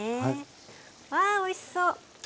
わあおいしそう！